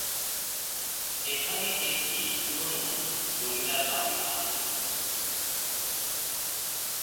এখানে একটি পুরানো জমিদার বাড়ী আছে।